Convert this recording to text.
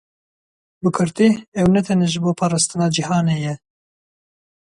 Bi kurtî, ew ne bi tenê ji bo parastina cîhanê ye.